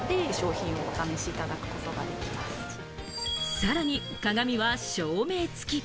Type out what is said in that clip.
さらに鏡は照明付き。